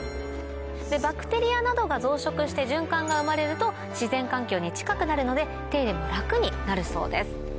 バクテリアなどが増殖して循環が生まれると自然環境に近くなるので手入れも楽になるそうです。